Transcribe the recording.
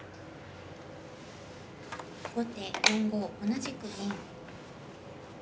後手４五同じく銀。